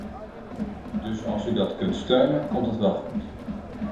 Dus als u dat kunt steunen, komt dat wel goed.